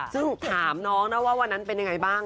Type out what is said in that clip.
ซึ่งถามน้องนะว่าวันนั้นเป็นยังไงบ้าง